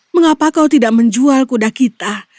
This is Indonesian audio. mengapa kau tidak menjual kuda kita